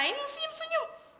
sini sini gue kasih tau